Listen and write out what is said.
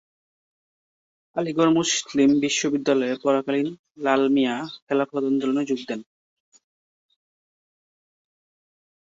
আলীগড় মুসলিম বিশ্ববিদ্যালয়ে পড়াকালীন লাল মিয়া খিলাফত আন্দোলনে যোগ দেন।